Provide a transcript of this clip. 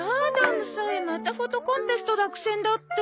むさえまたフォトコンテスト落選だって。